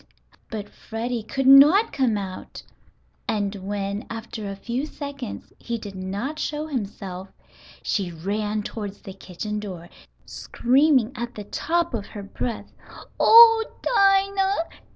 But Freddie could not come out, and when, after a few seconds he did not show himself, she ran toward the kitchen door, screaming at the top of her breath. "Oh, Dinah!